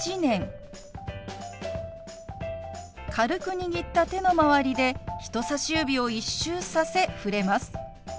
軽く握った手の周りで人さし指を一周させ触れます。